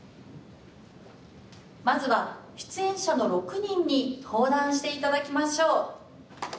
まずは、出演者の６人に登壇していただきましょう。